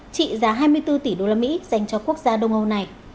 trị giá hai mươi bốn tỷ đô la mỹ dành cho quốc gia đông âu này